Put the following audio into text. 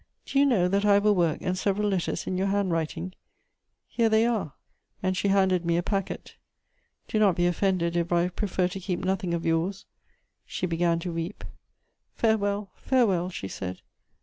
Do you know that I have a work and several letters in your handwriting? Here they are." And she handed me a packet. "Do not be offended if I prefer to keep nothing of yours." She began to weep. "Farewell, farewell," she said.